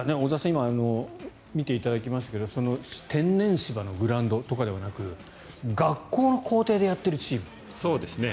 今、見ていただきましたが天然芝のグラウンドとかではなく学校の校庭でやっているチームなんです。